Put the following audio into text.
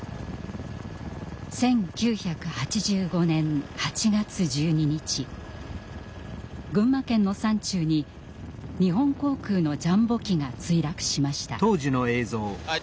１９８５年８月１２日群馬県の山中に日本航空のジャンボ機が墜落しました。